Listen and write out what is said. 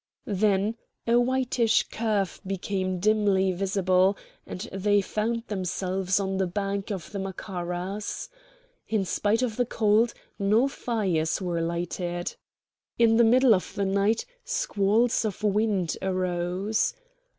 Then a whitish curve became dimly visible, and they found themselves on the bank of the Macaras. In spite of the cold no fires were lighted. In the middle of the night squalls of wind arose.